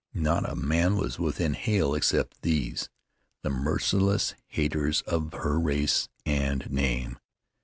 Not a man was within hail except these, the merciless haters of her race and name.